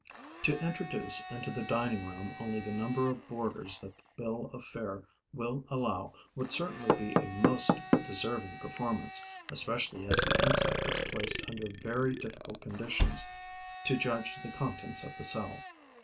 To introduce into the dining room only the number of boarders that the bill of fare will allow would certainly be a most deserving performance, especially as the insect is placed under very difficult conditions to judge the contents of the cell.